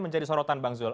menjadi sorotan bang zul